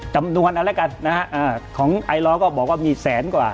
จำนวนอะไรกันของไอลอร์ก็บอกว่ามีแสนกว่า